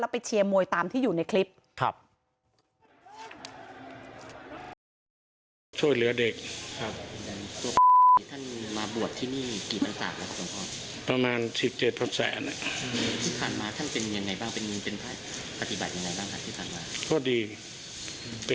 ไปเชียร์มวยตามที่อยู่ในคลิป